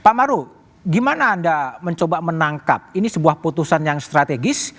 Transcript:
pak maru gimana anda mencoba menangkap ini sebuah putusan yang strategis